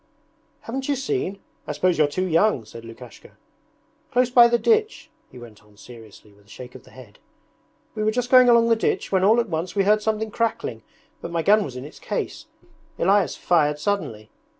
'Haven't you seen? I suppose you're too young!' said Lukashka. 'Close by the ditch,' he went on seriously with a shake of the head. 'We were just going along the ditch when all at once we heard something crackling, but my gun was in its case. Elias fired suddenly